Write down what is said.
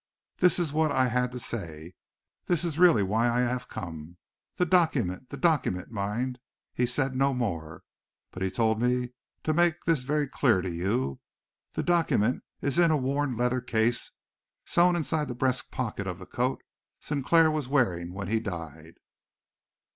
This was what I had to say. This is really why I have come. The document the document, mind, he said no more, but he told me to make this very clear to you the document is in a worn leather case, sewn inside the breast pocket of the coat Sinclair was wearing when he died."